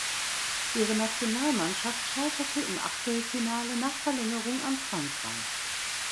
Ihre Nationalmannschaft scheiterte im Achtelfinale nach Verlängerung an Frankreich.